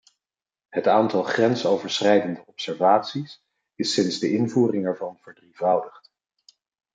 Het aantal grensoverschrijdende observaties is sinds de invoering ervan verdrievoudigd.